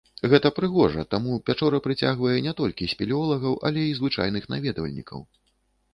Гэта прыгожа, таму пячора прыцягвае не толькі спелеолагаў, але і звычайных наведвальнікаў.